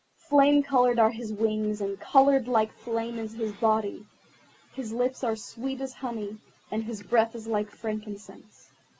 Flame coloured are his wings, and coloured like flame is his body. His lips are sweet as honey, and his breath is like frankincense."